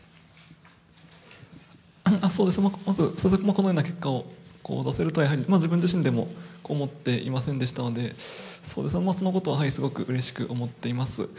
このような結果を出せるとは自分自身でも思っていませんでしたのでそのことはすごくうれしく思っています。